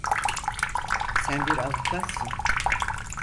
Sen bir avukatsın.